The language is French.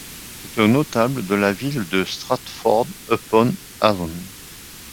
C'est un notable de la ville de Stratford-upon-Avon.